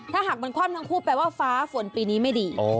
ถ้าหากมันคว่ำทั้งคู่แปลว่าฟ้าฝนปีนี้ไม่ดี